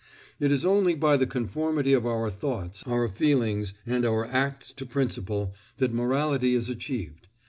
It is only by the conformity of our thoughts, our feelings, and our acts to principle, that morality is achieved.